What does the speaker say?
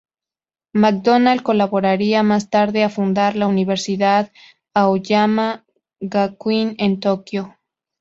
McDonald colaboraría más tarde a fundar la Universidad Aoyama Gakuin en Tokio.